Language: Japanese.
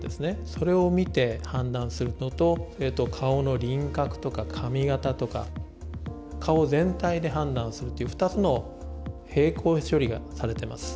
それを見て判断するのと顔の輪郭とか髪形とか顔を全体で判断するっていう２つの並行処理がされてます。